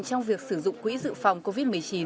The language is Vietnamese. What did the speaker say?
trong việc sử dụng quỹ dự phòng covid một mươi chín